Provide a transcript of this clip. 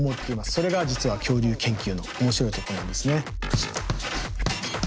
それが実は恐竜研究の面白いところなんですね。